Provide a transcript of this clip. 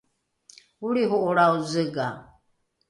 olriho’olrao zega